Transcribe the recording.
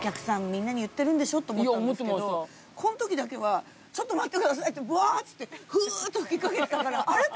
みんなに言ってるんでしょと思ったんですけどこのときだけは「ちょっと待ってください」ってぶわっつってフゥって吹きかけてたからあれ？